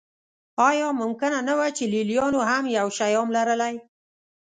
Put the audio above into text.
ایا ممکنه نه وه چې لېلیانو هم یو شیام لرلی.